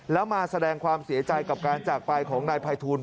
แล้วมาแสดงความเสียใจกับการจากไปของนายภัยทูล